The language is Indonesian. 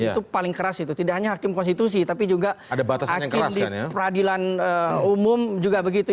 itu paling keras itu tidak hanya hakim konstitusi tapi juga hakim di peradilan umum juga begitu